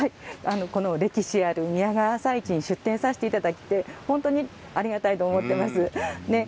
歴史ある宮川朝市に出店させていただいてありがたいと思っています。